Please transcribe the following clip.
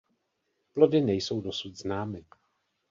Plody nejsou dosud známy.